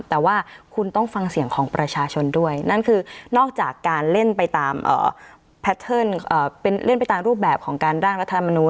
แต่ว่าคุณต้องฟังเสียงของประชาชนด้วยนั่นคือนอกจากการเล่นไปตามรูปแบบของการร่างรัฐมนุน